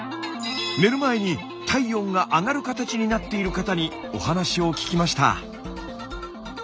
寝る前に体温が上がる形になっている方にお話を聞きました。